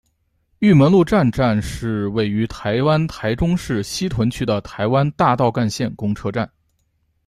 玉门路站站是位于台湾台中市西屯区的台湾大道干线公车站。